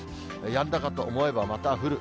やんだかと思えば、また降る。